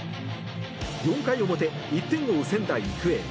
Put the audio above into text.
４回表、１点を追う仙台育英。